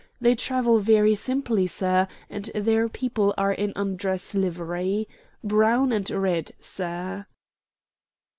They travel very simple, sir, and their people are in undress livery. Brown and red, sir."